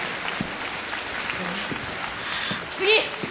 次！